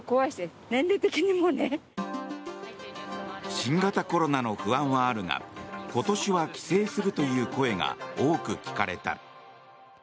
新型コロナの不安はあるが今年は帰省するという声が多く聞かれた。